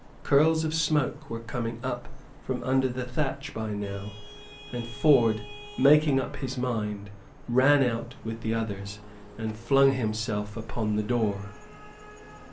Curls of smoke were coming up from under the thatch by now; and Ford, making up his mind, ran out with the others, and flung himself upon the door.